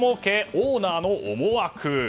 オーナーの思惑。